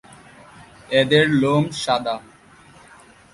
এদের লোম সাদা।